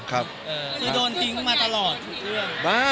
คือโดนทิ้งมาตลอดทุกเรื่อง